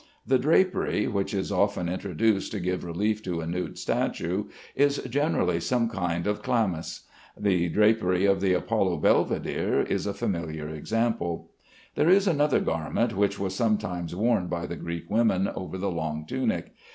The drapery which is often introduced to give relief to a nude statue, is generally some kind of chlamys. The drapery of the Apollo Belvidere is a familiar example. There is another garment which was sometimes worn by the Greek women over the long tunic.